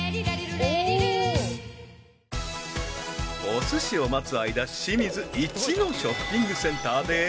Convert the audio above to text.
［おすしを待つ間清水一のショッピングセンターで］